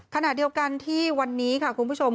ขณะเดียวกันที่วันนี้ค่ะคุณผู้ชม